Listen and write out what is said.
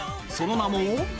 その名も。